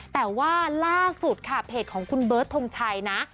แต่ว่าล่าสุดค่ะเพจของคุณเบิร์ตทงชัยนะ